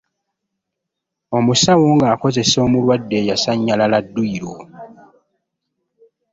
Omusawo nga akozesa omulwadde eyasanyala dduyiro.